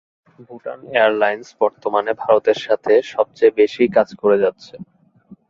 Bhutan airlines বর্তমানে ভারতের সাথে সবচেয়ে বেশি কাজ করে যাচ্ছে।